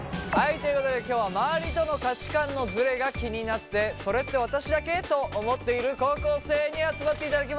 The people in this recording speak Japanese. ということで今日は周りとの価値観のズレが気になって「それって私だけ？」と思っている高校生に集まっていただきました。